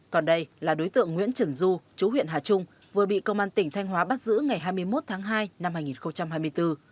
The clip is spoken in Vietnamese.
còn đây là đối tượng nguyễn trần du chú huyện hà trung vừa bị công an tỉnh thanh hóa bắt giữ ngày hai mươi một tháng hai năm hai nghìn hai mươi bốn